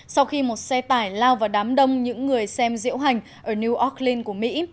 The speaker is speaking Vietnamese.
sau khi một xe tải lao vào đám đông những người xem diễu hành ở new yorklyn của mỹ